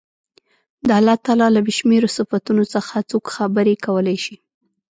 د الله تعالی له بې شمېرو صفتونو څخه څوک خبرې کولای شي.